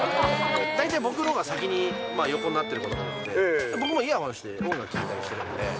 大体僕の方が先に横になってるので、僕もイヤホンして音楽聴いてたりするんで。